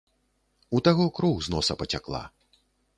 У таго кроў з носа пацякла.